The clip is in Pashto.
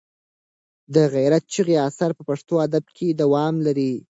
د غیرت چغې اثر په پښتو ادب کې دوام لري.